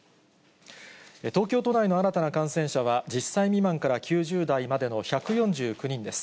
東京都内の新たな感染者は、１０歳未満から９０代までの１４９人です。